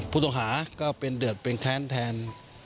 ผู้ต้องหาก็เป็นเดือดเป็นแค้นแทน